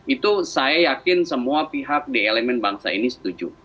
itu saya yakin semua pihak di elemen bangsa ini setuju